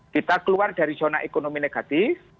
kita keluar dari zona ekonomi negatif